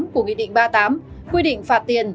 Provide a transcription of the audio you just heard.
của nghị định ba mươi tám quy định phạt tiền